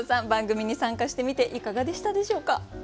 番組に参加してみていかがでしたでしょうか？